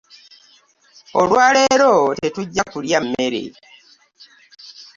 Olwaleero tetujja kulya mmere.